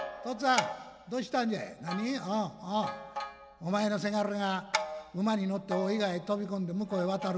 お前のせがれが馬に乗って大井川へ飛び込んで向こうへ渡る。